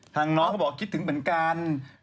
ทางน้องก็บอกคิดถึงเหมือนกัน